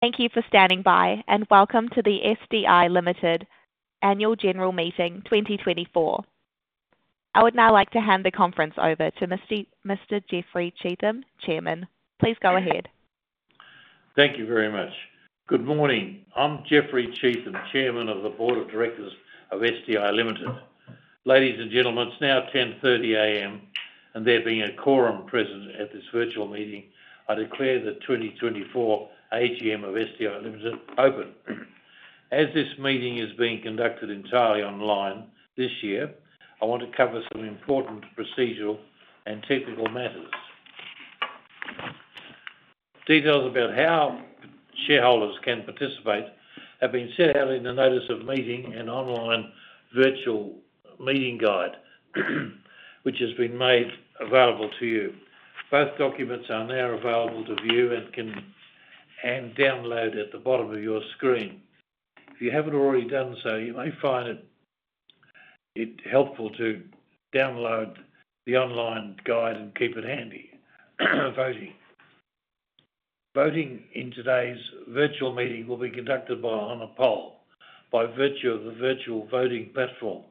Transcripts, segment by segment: Thank you for standing by, and welcome to the SDI Ltd Annual General Meeting 2024. I would now like to hand the conference over to Mr. Jeffery Cheetham, Chairman. Please go ahead. Thank you very much. Good morning. I'm Jeffery Cheetham, Chairman of the Board of Directors of SDI Ltd. Ladies and gentlemen, it's now 10:30 A.M., and there being a quorum present at this virtual meeting, I declare the 2024 AGM of SDI Ltd open. As this meeting is being conducted entirely online this year, I want to cover some important procedural and technical matters. Details about how shareholders can participate have been set out in the Notice of Meeting and Online Virtual Meeting Guide, which has been made available to you. Both documents are now available to view and download at the bottom of your screen. If you haven't already done so, you may find it helpful to download the online guide and keep it handy. Voting. Voting in today's virtual meeting will be conducted by a poll by virtue of the virtual voting platform.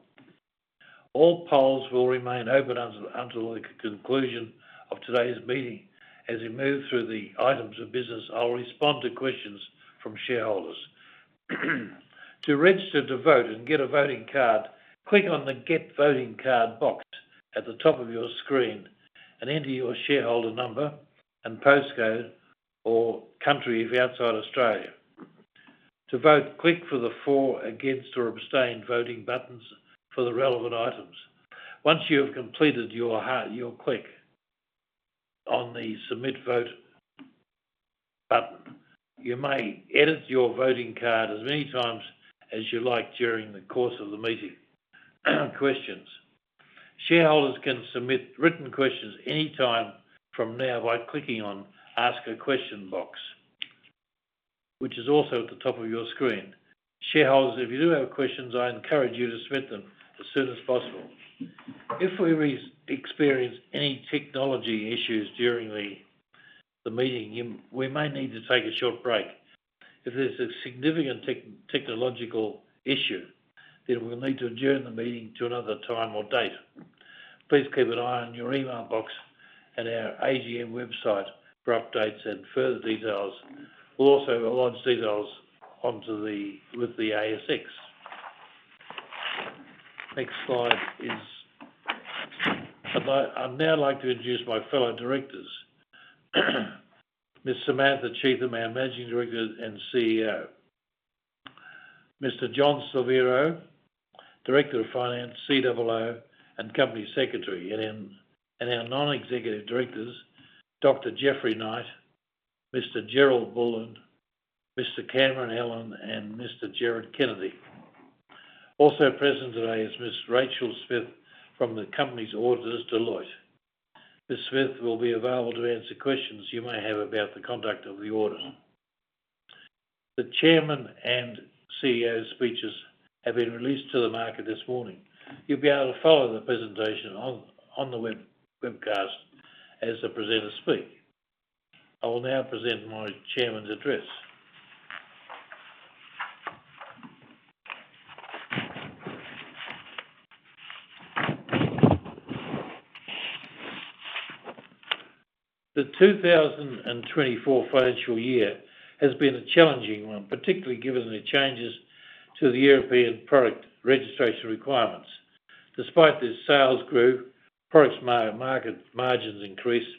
All polls will remain open until the conclusion of today's meeting. As we move through the items of business, I'll respond to questions from shareholders. To register to vote and get a voting card, click on the Get Voting Card box at the top of your screen and enter your shareholder number and postcode or country if you're outside Australia. To vote, click for the For, Against, or Abstain voting buttons for the relevant items. Once you have completed your click on the Submit Vote button, you may edit your voting card as many times as you like during the course of the meeting. Questions. Shareholders can submit written questions anytime from now by clicking on Ask a Question box, which is also at the top of your screen. Shareholders, if you do have questions, I encourage you to submit them as soon as possible. If we experience any technology issues during the meeting, we may need to take a short break. If there's a significant technological issue, then we'll need to adjourn the meeting to another time or date. Please keep an eye on your email box and our AGM website for updates and further details. We'll also lodge details with the ASX. Next slide. I'd now like to introduce my fellow directors, Ms. Samantha Cheetham, our Managing Director and CEO, Mr. John Slaviero, Director of Finance, COO, and Company Secretary, and our non-executive directors, Dr. Jeffery Knight, Mr. Gerald Bullon, Mr. Cameron Allen, and Mr. Gerard Kennedy. Also present today is Ms. Rachel Smith from the Company's auditors, Deloitte. Ms. Smith will be available to answer questions you may have about the conduct of the audit. The Chairman and CEO's speeches have been released to the market this morning. You'll be able to follow the presentation on the webcast as the presenters speak. I will now present my Chairman's address. The 2024 financial year has been a challenging one, particularly given the changes to the European product registration requirements. Despite the sales grew, product margins increased,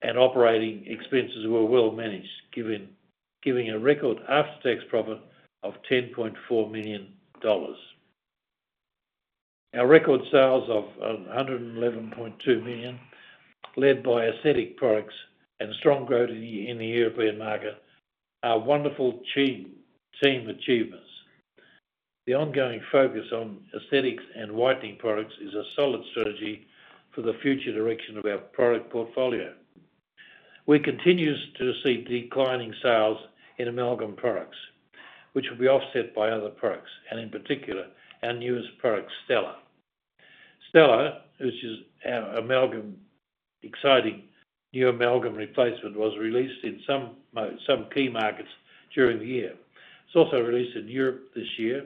and operating expenses were well managed, giving a record after-tax profit of 10.4 million dollars. Our record sales of 111.2 million, led by aesthetic products and strong growth in the European market, are wonderful team achievements. The ongoing focus on aesthetics and whitening products is a solid strategy for the future direction of our product portfolio. We continue to see declining sales in amalgam products, which will be offset by other products, and in particular, our newest product, Stela. Stela, which is an exciting new amalgam replacement, was released in some key markets during the year. It's also released in Europe this year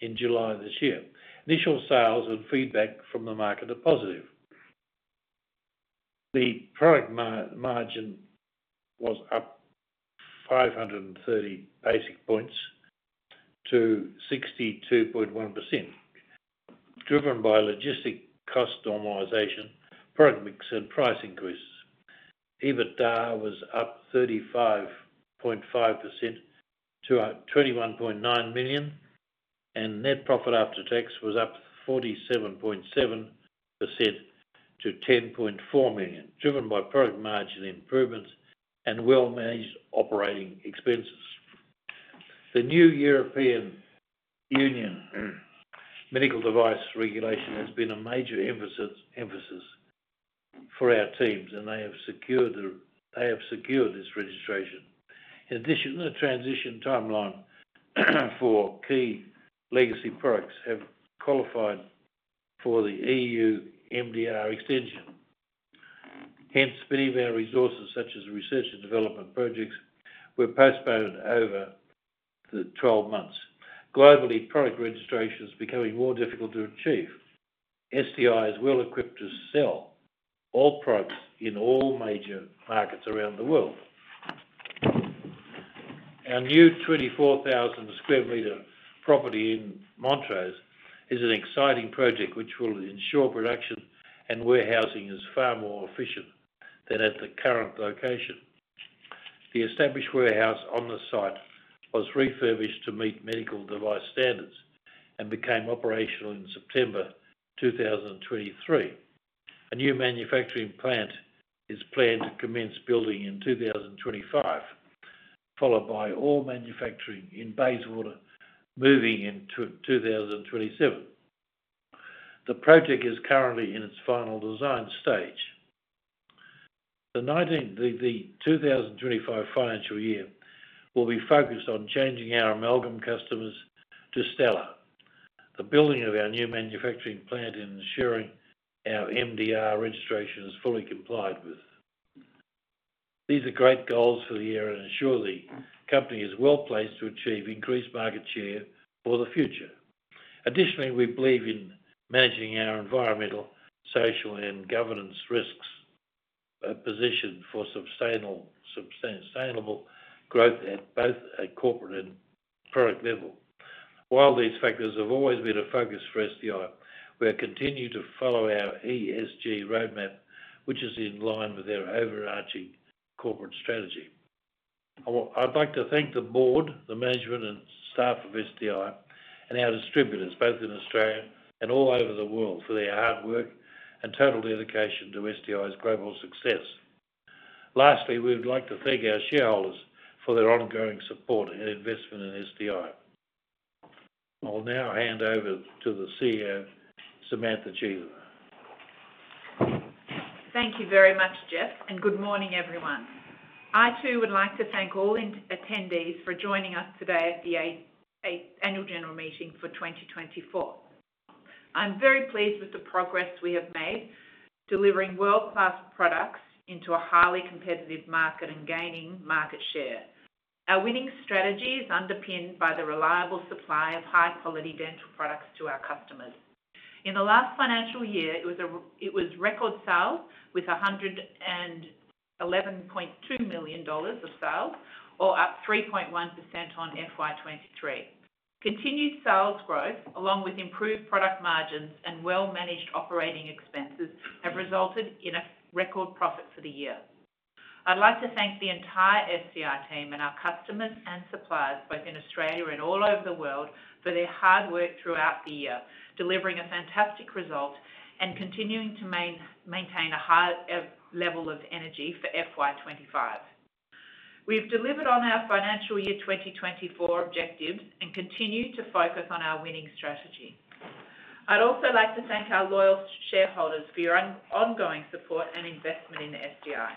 in July this year. Initial sales and feedback from the market are positive. The product margin was up 530 basis points to 62.1%, driven by logistic cost normalization, product mix, and price increases. EBITDA was up 35.5% to 21.9 million, and net profit after-tax was up 47.7% to 10.4 million, driven by product margin improvements and well-managed operating expenses. The new European Union Medical Device Regulation has been a major emphasis for our teams, and they have secured this registration. In addition, the transition timeline for key legacy products has qualified for the EU MDR extension. Hence, many of our resources, such as research and development projects, were postponed over the 12 months. Globally, product registration is becoming more difficult to achieve. SDI is well equipped to sell all products in all major markets around the world. Our new 24,000 sq m property in Montrose is an exciting project which will ensure production and warehousing is far more efficient than at the current location. The established warehouse on the site was refurbished to meet medical device standards and became operational in September 2023. A new manufacturing plant is planned to commence building in 2025, followed by all manufacturing in Bayswater moving in 2027. The project is currently in its final design stage. The 2025 financial year will be focused on changing our amalgam customers to Stela, the building of our new manufacturing plant, and ensuring our MDR registration is fully complied with. These are great goals for the year and ensure the company is well placed to achieve increased market share for the future. Additionally, we believe in managing our environmental, social, and governance risks position for sustainable growth at both a corporate and product level. While these factors have always been a focus for SDI, we'll continue to follow our ESG roadmap, which is in line with our overarching corporate strategy. I'd like to thank the board, the management, and staff of SDI, and our distributors, both in Australia and all over the world, for their hard work and total dedication to SDI's global success. Lastly, we'd like to thank our shareholders for their ongoing support and investment in SDI. I'll now hand over to the CEO, Samantha Cheetham. Thank you very much, Jeff, and good morning, everyone. I too would like to thank all attendees for joining us today at the Annual General Meeting for 2024. I'm very pleased with the progress we have made, delivering world-class products into a highly competitive market and gaining market share. Our winning strategy is underpinned by the reliable supply of high-quality dental products to our customers. In the last financial year, it was record sales with 111.2 million dollars of sales, or up 3.1% on FY 2023. Continued sales growth, along with improved product margins and well-managed operating expenses, have resulted in a record profit for the year. I'd like to thank the entire SDI team and our customers and suppliers, both in Australia and all over the world, for their hard work throughout the year, delivering a fantastic result and continuing to maintain a high level of energy for FY 2025. We've delivered on our financial year 2024 objectives and continue to focus on our winning strategy. I'd also like to thank our loyal shareholders for your ongoing support and investment in SDI.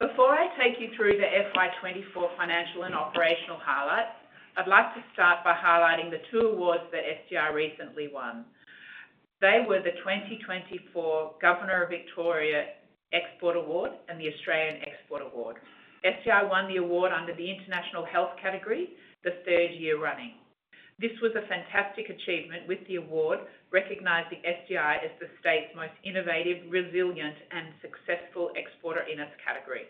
Before I take you through the FY 2024 financial and operational highlights, I'd like to start by highlighting the two awards that SDI recently won. They were the 2024 Governor of Victoria Export Award and the Australian Export Award. SDI won the award under the International Health category, the third year running. This was a fantastic achievement, with the award recognizing SDI as the state's most innovative, resilient, and successful exporter in its category.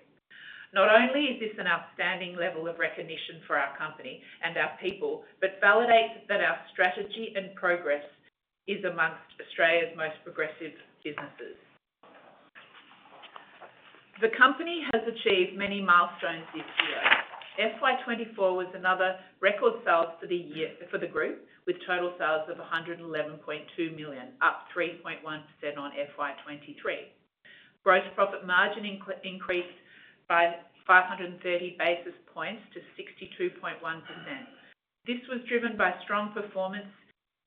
Not only is this an outstanding level of recognition for our company and our people, but validates that our strategy and progress are amongst Australia's most progressive businesses. The company has achieved many milestones this year. FY 2024 was another record sales for the group, with total sales of 111.2 million, up 3.1% on FY 2023. Gross profit margin increased by 530 basis points to 62.1%. This was driven by strong performance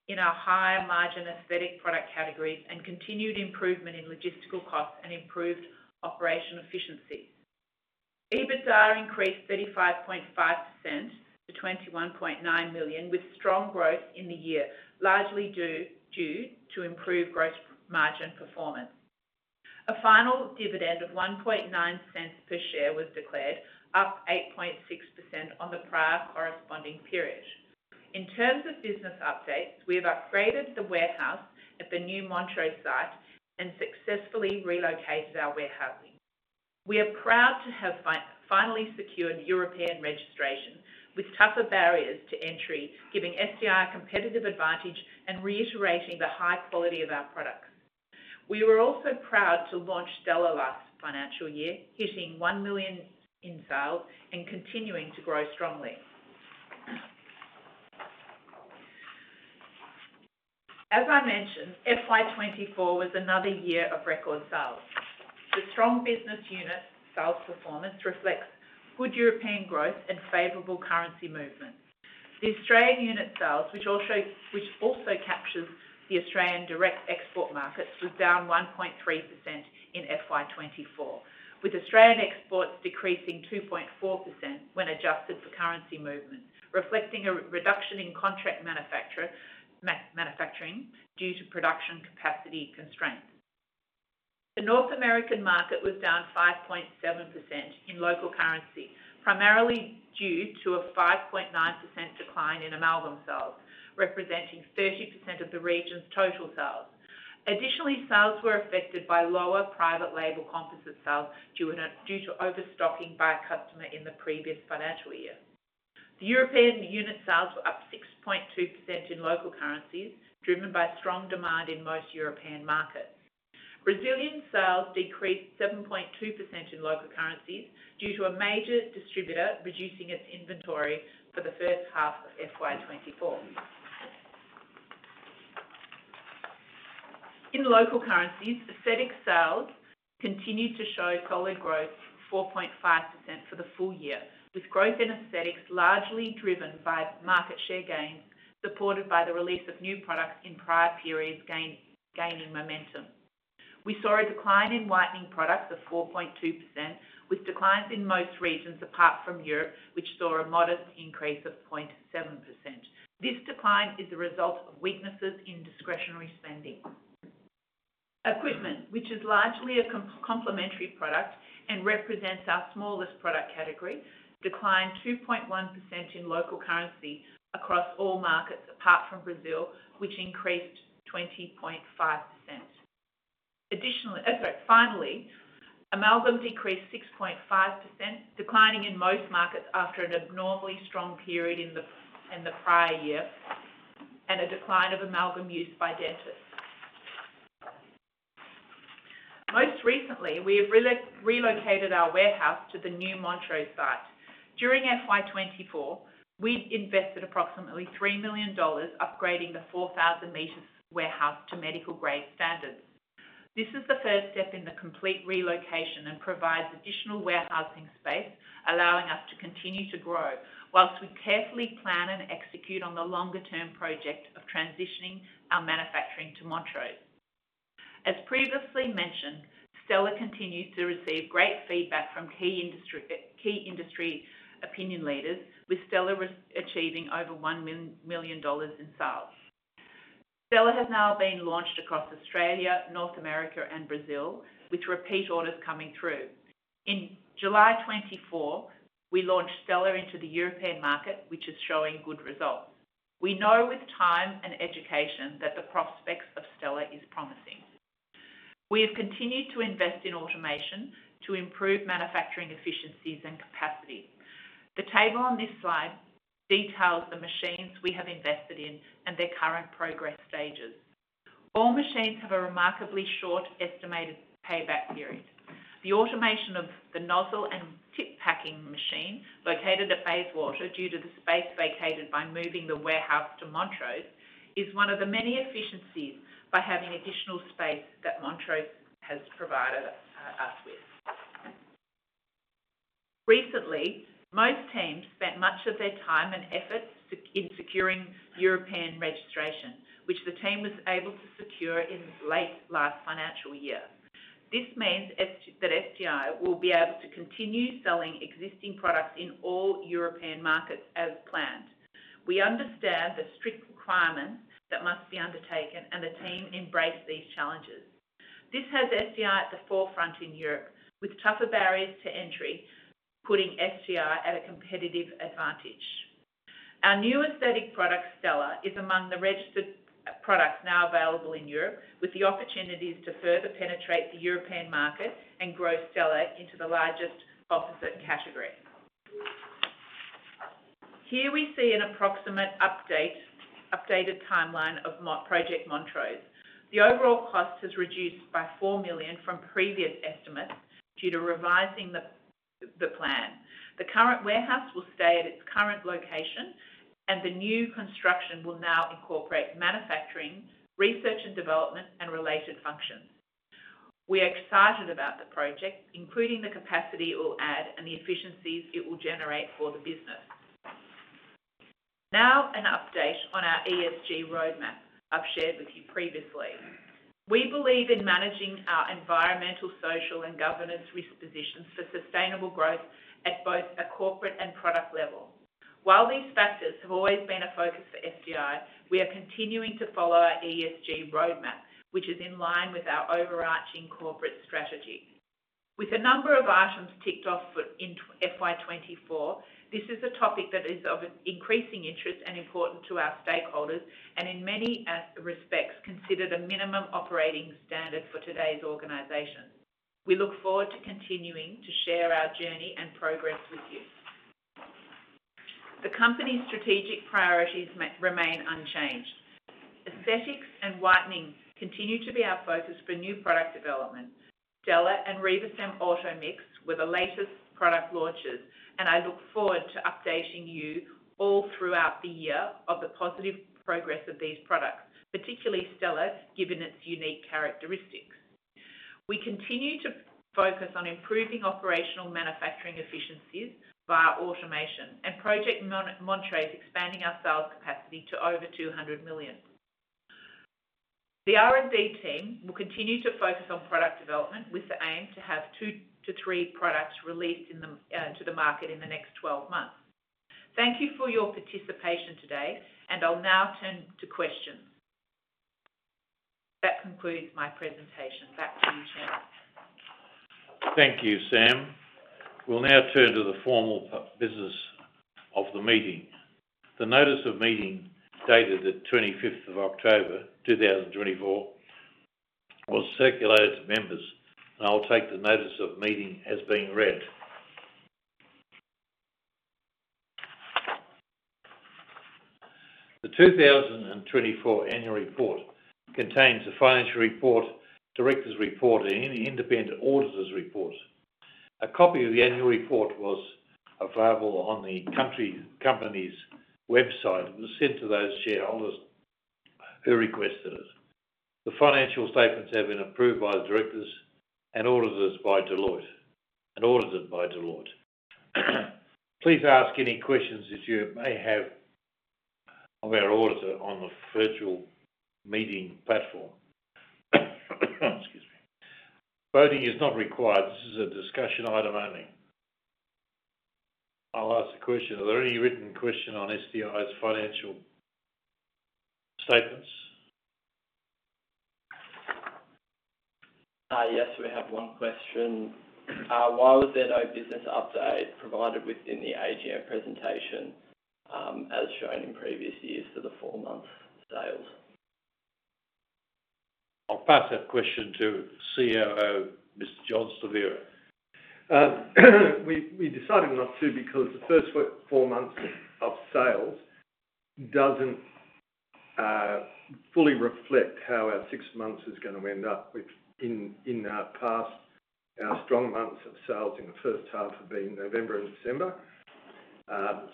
in our high-margin aesthetic product categories and continued improvement in logistical costs and improved operational efficiencies. EBITDA increased 35.5% to 21.9 million, with strong growth in the year, largely due to improved gross margin performance. A final dividend of 0.09 per share was declared, up 8.6% on the prior corresponding period. In terms of business updates, we have upgraded the warehouse at the new Montrose site and successfully relocated our warehousing. We are proud to have finally secured European registration, with tougher barriers to entry, giving SDI a competitive advantage and reiterating the high quality of our products. We were also proud to launch Stela last financial year, hitting 1 million in sales and continuing to grow strongly. As I mentioned, FY 2024 was another year of record sales. The strong business unit sales performance reflects good European growth and favorable currency movement. The Australian unit sales, which also captures the Australian direct export markets, was down 1.3% in FY 2024, with Australian exports decreasing 2.4% when adjusted for currency movement, reflecting a reduction in contract manufacturing due to production capacity constraints. The North American market was down 5.7% in local currency, primarily due to a 5.9% decline in amalgam sales, representing 30% of the region's total sales. Additionally, sales were affected by lower private label composite sales due to overstocking by a customer in the previous financial year. The European unit sales were up 6.2% in local currencies, driven by strong demand in most European markets. Brazilian sales decreased 7.2% in local currencies due to a major distributor reducing its inventory for the first half of FY 2024. In local currencies, aesthetic sales continued to show solid growth, 4.5% for the full year, with growth in aesthetics largely driven by market share gains, supported by the release of new products in prior periods gaining momentum. We saw a decline in whitening products of 4.2%, with declines in most regions apart from Europe, which saw a modest increase of 0.7%. This decline is a result of weaknesses in discretionary spending. Equipment, which is largely a complementary product and represents our smallest product category, declined 2.1% in local currency across all markets apart from Brazil, which increased 20.5%. Finally, amalgam decreased 6.5%, declining in most markets after an abnormally strong period in the prior year and a decline of amalgam use by dentists. Most recently, we have relocated our warehouse to the new Montrose site. During FY 2024, we invested approximately 3 million dollars, upgrading the 4,000 m warehouse to medical-grade standards. This is the first step in the complete relocation and provides additional warehousing space, allowing us to continue to grow while we carefully plan and execute on the longer-term project of transitioning our manufacturing to Montrose. As previously mentioned, Stela continues to receive great feedback from key industry opinion leaders, with Stela achieving over 1 million dollars in sales. Stela has now been launched across Australia, North America, and Brazil, with repeat orders coming through. In July 2024, we launched Stela into the European market, which is showing good results. We know with time and education that the prospects of Stela are promising. We have continued to invest in automation to improve manufacturing efficiencies and capacity. The table on this slide details the machines we have invested in and their current progress stages. All machines have a remarkably short estimated payback period. The automation of the nozzle and tip packing machine located at Bayswater due to the space vacated by moving the warehouse to Montrose is one of the many efficiencies by having additional space that Montrose has provided us with. Recently, most teams spent much of their time and effort in securing European registration, which the team was able to secure in late last financial year. This means that SDI will be able to continue selling existing products in all European markets as planned. We understand the strict requirements that must be undertaken, and the team embraced these challenges. This has SDI at the forefront in Europe, with tougher barriers to entry, putting SDI at a competitive advantage. Our new aesthetic product, Stela, is among the registered products now available in Europe, with the opportunities to further penetrate the European market and grow Stela into the largest composite category. Here we see an approximate updated timeline of Project Montrose. The overall cost has reduced by 4 million from previous estimates due to revising the plan. The current warehouse will stay at its current location, and the new construction will now incorporate manufacturing, research and development, and related functions. We are excited about the project, including the capacity it will add and the efficiencies it will generate for the business. Now, an update on our ESG roadmap I've shared with you previously. We believe in managing our environmental, social, and governance risk positions for sustainable growth at both a corporate and product level. While these factors have always been a focus for SDI, we are continuing to follow our ESG roadmap, which is in line with our overarching corporate strategy. With a number of items ticked off in FY 2024, this is a topic that is of increasing interest and important to our stakeholders and, in many respects, considered a minimum operating standard for today's organizations. We look forward to continuing to share our journey and progress with you. The company's strategic priorities remain unchanged. Aesthetics and whitening continue to be our focus for new product development. Stela and Riva Cem Automix were the latest product launches, and I look forward to updating you all throughout the year of the positive progress of these products, particularly Stela, given its unique characteristics. We continue to focus on improving operational manufacturing efficiencies via automation and Project Montrose expanding our sales capacity to over 200 million. The R&D team will continue to focus on product development with the aim to have two to three products released to the market in the next 12 months. Thank you for your participation today, and I'll now turn to questions. That concludes my presentation. Back to you, Chairman. Thank you, Sam. We'll now turn to the formal business of the meeting. The notice of meeting dated the 25th of October, 2024, was circulated to members, and I'll take the notice of meeting as being read. The 2024 annual report contains a financial report, director's report, and an independent auditor's report. A copy of the annual report was available on the company's website and was sent to those shareholders who requested it. The financial statements have been approved by the directors and audited by Deloitte. Please ask any questions that you may have of our auditor on the virtual meeting platform. Excuse me. Voting is not required. This is a discussion item only. I'll ask a question. Are there any written questions on SDI's financial statements? Yes, we have one question. Why was there no business update provided within the AGM presentation as shown in previous years for the four-month sales? I'll pass that question to COO, Mr. John Slaviero. We decided not to because the first four months of sales doesn't fully reflect how our six months is going to end up. In our past, our strong months of sales in the first half have been November and December.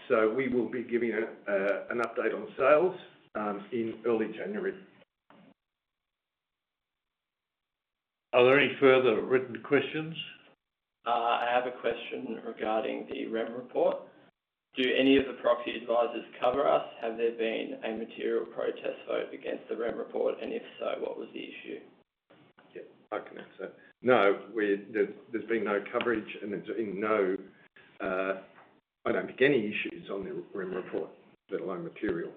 So we will be giving an update on sales in early January. Are there any further written questions? I have a question regarding the Rem report. Do any of the proxy advisors cover us? Have there been a material protest vote against the Rem report? And if so, what was the issue? I can answer that. No, there's been no coverage, and there's been no, I don't think any issues on the Rem report, let alone material.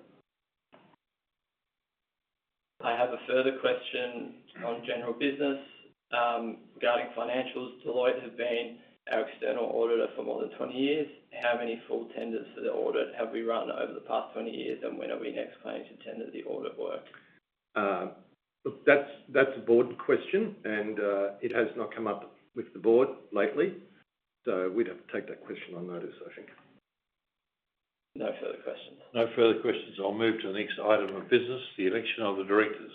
I have a further question on general business regarding financials. Deloitte has been our external auditor for more than 20 years. How many full tenders for the audit have we run over the past 20 years, and when are we next planning to tender the audit work? That's a board question, and it has not come up with the board lately. So we'd have to take that question on notice, I think. No further questions. No further questions. I'll move to the next item of business, the election of the directors.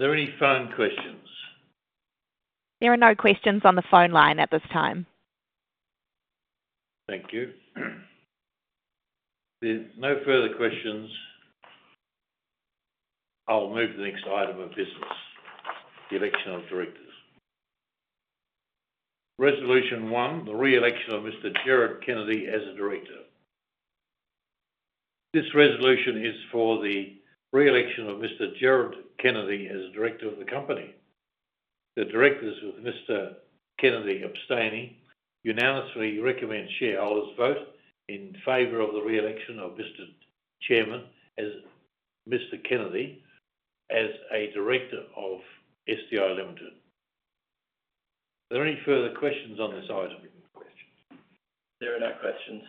Are there any phone questions? There are no questions on the phone line at this time. Thank you. No further questions. I'll move to the next item of business, the election of directors. Resolution One, the re-election of Mr. Gerard Kennedy as a director. This resolution is for the re-election of Mr. Gerard Kennedy as a director of the company. The directors, with Mr. Kennedy abstaining, unanimously recommend shareholders vote in favor of the re-election of, Mr. Kennedy, as a director of SDI Ltd. Are there any further questions on this item? There are no questions.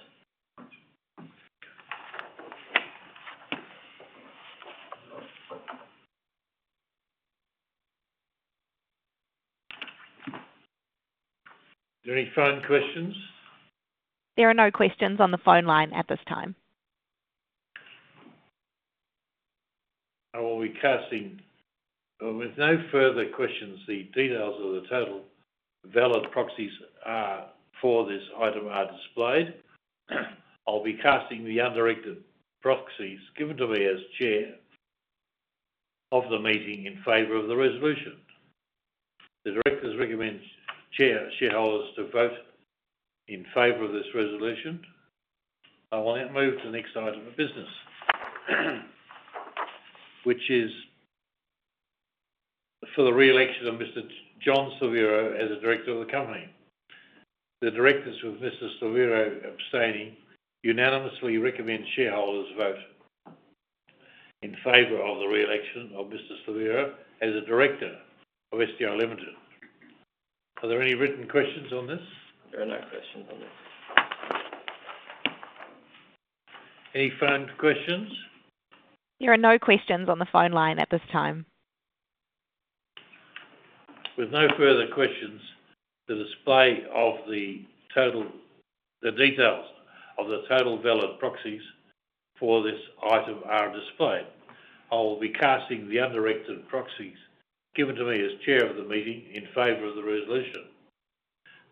Any phone questions? There are no questions on the phone line at this time. I will be casting. With no further questions, the details of the total valid proxies for this item are displayed. I'll be casting the undirected proxies given to me as chair of the meeting in favor of the resolution. The directors recommend shareholders to vote in favor of this resolution. I will now move to the next item of business, which is for the re-election of Mr. John Slaviero as a director of the company. The directors, with Mr. Slaviero abstaining, unanimously recommend shareholders vote in favor of the re-election of Mr. Slaviero as a director of SDI Ltd. Are there any written questions on this? There are no questions on this. Any phone questions? There are no questions on the phone line at this time. With no further questions, the display of the details of the total valid proxies for this item are displayed. I will be casting the undirected proxies given to me as chair of the meeting in favor of the resolution.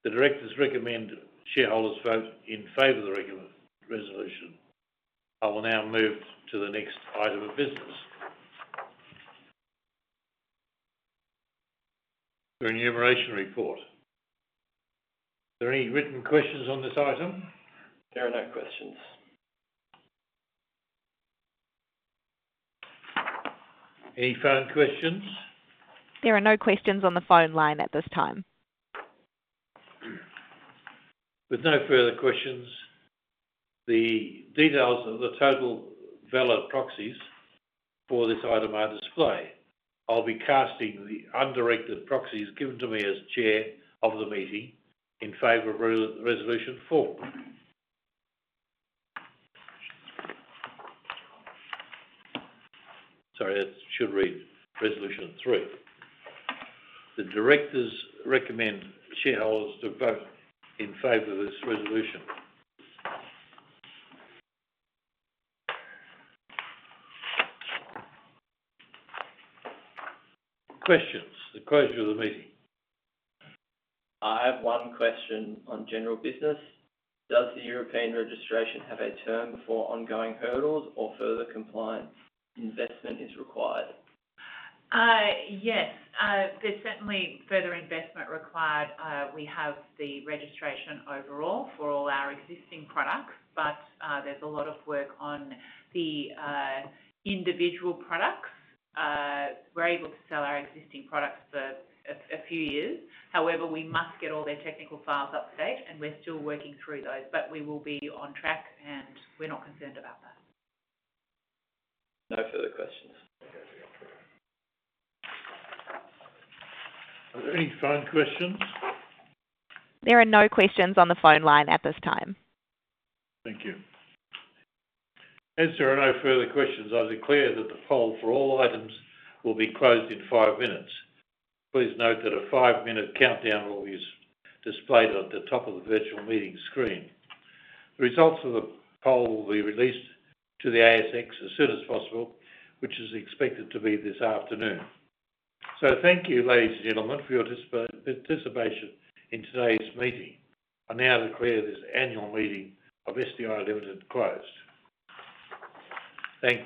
The directors recommend shareholders vote in favor of the resolution. I will now move to the next item of business, the Remuneration Report. Are there any written questions on this item? There are no questions. Any phone questions? There are no questions on the phone line at this time. With no further questions, the details of the total valid proxies for this item are displayed. I'll be casting the undirected proxies given to me as chair of the meeting in favor of Resolution Four. Sorry, it should read Resolution Three. The directors recommend shareholders to vote in favor of this resolution. Questions? The closure of the meeting? I have one question on general business. Does the European registration have a term before ongoing hurdles or further compliance? Investment is required? Yes, there's certainly further investment required. We have the registration overall for all our existing products, but there's a lot of work on the individual products. We're able to sell our existing products for a few years. However, we must get all their technical files up to date, and we're still working through those, but we will be on track, and we're not concerned about that. No further questions. Are there any phone questions? There are no questions on the phone line at this time. Thank you. As there are no further questions, I declare that the poll for all items will be closed in five minutes. Please note that a five-minute countdown will be displayed at the top of the virtual meeting screen. The results of the poll will be released to the ASX as soon as possible, which is expected to be this afternoon. So thank you, ladies and gentlemen, for your participation in today's meeting. I now declare this annual meeting of SDI Ltd closed. Thank you.